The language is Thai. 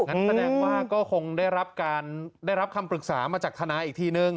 นั่นแสดงว่าก็คงได้รับคำปรึกษามาจากธนาอีกทีนึง